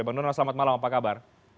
bang donal selamat malam apa kabar